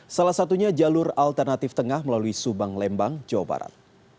salah satunya jalur alternatif tengah melalui subang lembang jawa barat